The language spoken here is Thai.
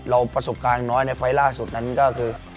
เราประสบการณ์น้อยในไฟลตราตุลหนึ่ง